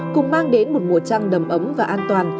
cùng mang đến một mùa trăng đầm ấm và an toàn